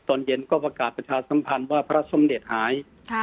ตอนเย็นก็ประกาศประชาสัมพันธ์ว่าพระสมเด็จหาย